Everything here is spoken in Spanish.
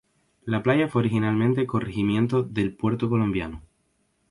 La Playa fue originalmente corregimiento de Puerto Colombia.